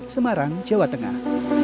semarang jawa tengah